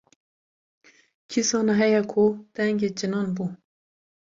Kî zane heye ko dengê cinan bû.